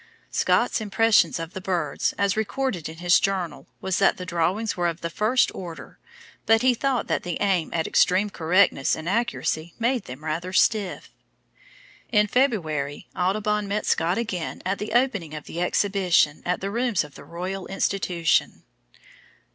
Scott's impressions of the birds as recorded in his journal, was that the drawings were of the first order, but he thought that the aim at extreme correctness and accuracy made them rather stiff. In February Audubon met Scott again at the opening of the Exhibition at the rooms of the Royal Institution.